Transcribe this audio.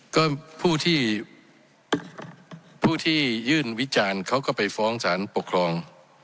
ก็ผู้ที่ผู้ที่ยื่นวิจารณ์เขาก็ไปฟ้องสารปกครอง